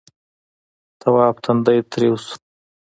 تواب تندی تريو شو.